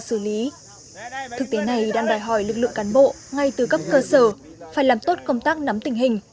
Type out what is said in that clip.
thực tế này đang đòi hỏi lực lượng cán bộ ngay từ cấp cơ sở phải làm tốt công tác nắm tình hình